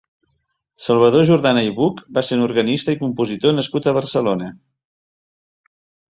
Salvador Jordana i Buch va ser un organista i compositor nascut a Barcelona.